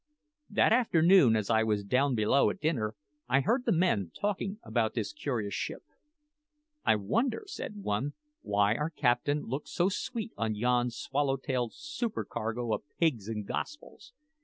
That afternoon, as I was down below at dinner, I heard the men talking about this curious ship. "I wonder," said one, "why our captain looked so sweet on yon swallow tailed supercargo o' pigs and Gospels?